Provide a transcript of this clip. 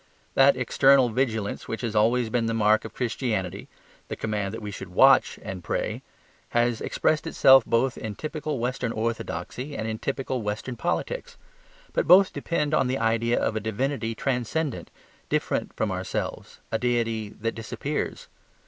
That external vigilance which has always been the mark of Christianity (the command that we should WATCH and pray) has expressed itself both in typical western orthodoxy and in typical western politics: but both depend on the idea of a divinity transcendent, different from ourselves, a deity that disappears.